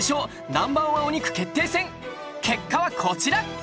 Ｎｏ．１お肉決定戦結果はこちら。